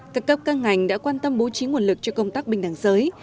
các cấp các ngành đã quan tâm bố trí nguồn lực cho công tác bình đẳng giới